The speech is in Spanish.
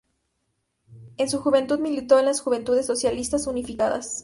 En su juventud militó en las Juventudes Socialistas Unificadas.